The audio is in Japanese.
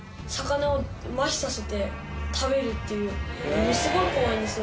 ものすごい怖いんですよ。